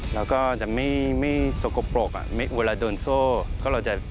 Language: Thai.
แล้วก็จะไม่สกปรก